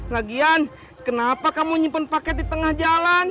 lagian kenapa kamu nyimpan paket di tengah jalan